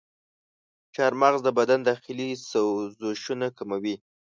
چارمغز د بدن داخلي سوزشونه کموي.